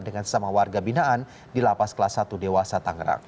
dengan sesama warga binaan di lapas kelas satu dewasa tangerang